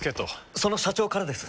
その社長からです。